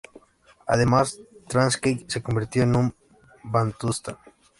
Además, Transkei se convirtió en un bantustán.